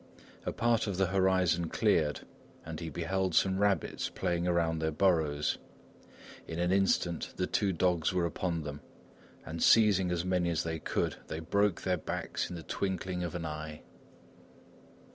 A part of the horizon cleared, and he beheld some rabbits playing around their burrows. In an instant, the two dogs were upon them, and seizing as many as they could, they broke their backs in the twinkling of an eye.